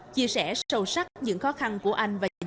chia sẻ sâu sắc những khó khăn của anh và gia đình